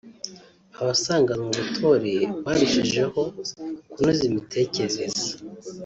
abasanganywe ubutore barushijeho kunoza imitekerereze